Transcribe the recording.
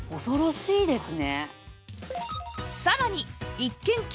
恐ろしいですね。